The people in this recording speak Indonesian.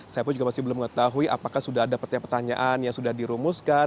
saya pun juga masih belum mengetahui apakah sudah ada pertanyaan pertanyaan yang sudah dirumuskan